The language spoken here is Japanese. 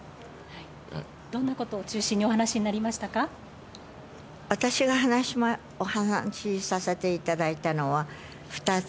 どんなことを中心にお話しに私がお話させていただいたのは２つ。